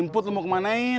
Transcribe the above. simpul mau kemanain